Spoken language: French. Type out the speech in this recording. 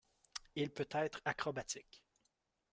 Il peut être acrobatique.